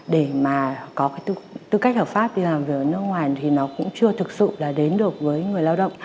để mà có cái tư cách hợp pháp đi làm việc ở nước ngoài thì nó cũng chưa thực sự là đến được với người lao động